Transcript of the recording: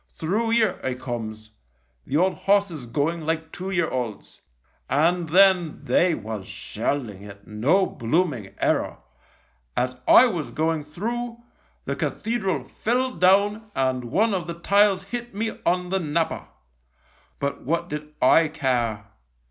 Through 'ere I comes, the old horses going like two year olds. And then they was shelling it, no blooming error. As I was going through, the cathedral fell down and one of the tiles hit me on the napper. But what did I care